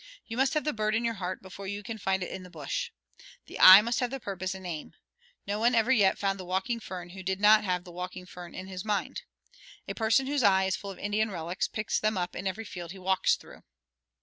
You must have the bird in your heart before you can find it in the bush. The eye must have purpose and aim. No one ever yet found the walking fern who did not have the walking fern in his mind. A person whose eye is full of Indian relics picks them up in every field he walks through.